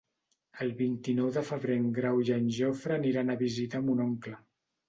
El vint-i-nou de febrer en Grau i en Jofre aniran a visitar mon oncle.